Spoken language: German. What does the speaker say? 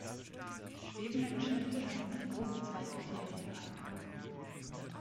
Schwebende Geschäfte lassen sich grob in zwei Kriterien einteilen.